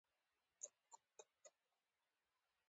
دا به پیسې ولري